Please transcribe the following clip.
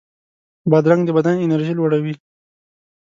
بادرنګ د بدن انرژي لوړوي.